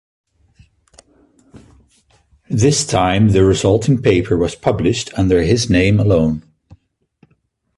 This time the resulting paper was published under his name alone.